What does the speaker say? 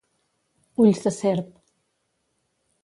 Ulls de serp.